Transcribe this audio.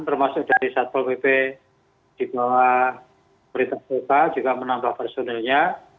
termasuk dari satpol bp di bawah berita sosa juga menambah personelnya